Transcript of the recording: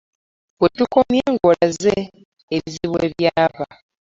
We tukomye ng'olaze ebizibu we byava.